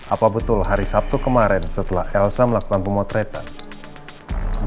apa betul hari sabtu kemarin setelah elsa melakukan pemotretan